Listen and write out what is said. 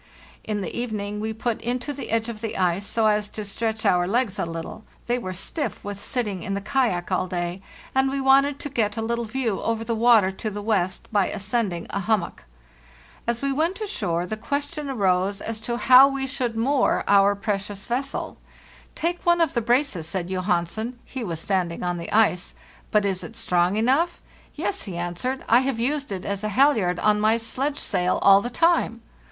In the evening we put in to the edge of the ice, so as to stretch our legs a little; they were stiff with sitting in the kayak all day, and we wanted to get a little view over the water to the west by ascending a hummock. As we went ashore the question arose as to how we * Cape Barents. 512 FARTHEST NORTH should moor our precious vessel. '" Take one of the braces,' said Johansen; he was standing on the ice. * But. is, it Sstrone enough? "Yes," he auswened.) 4 have used it as a halyard on my sledge sail all the time."